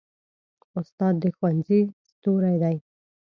استاد د ښوونځي ستوری دی.